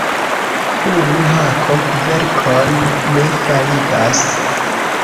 Unu hako kverkon ne faligas.